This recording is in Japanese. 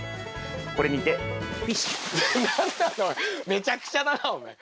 めちゃくちゃだなお前。